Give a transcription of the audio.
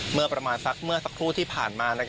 เมื่อประมาณสักเมื่อสักครู่ที่ผ่านมา